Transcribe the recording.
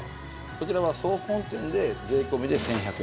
こちらは総本店で税込みで１１００円です。